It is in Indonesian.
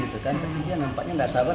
tapi dia nampaknya gak sabar